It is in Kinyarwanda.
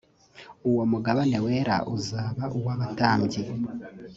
uwo mugabane wera uzaba uw abatambyi